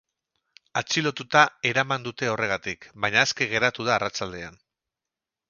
Atxilotuta eraman dute horregatik, baina aske geratu da arratsaldean.